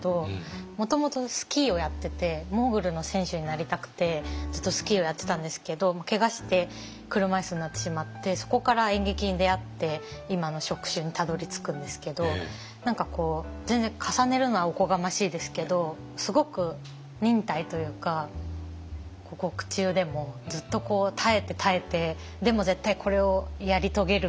もともとスキーをやっててモーグルの選手になりたくてずっとスキーをやってたんですけどけがして車椅子になってしまってそこから演劇に出会って今の職種にたどりつくんですけど何かこう全然重ねるのはおこがましいですけどすごく忍耐というか獄中でもずっと耐えて耐えてでも絶対これをやり遂げる！